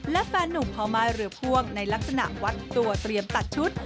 และแฟนนุ่มพอไม้เรือพ่วงในลักษณะวัดตัวเตรียมตัดชุด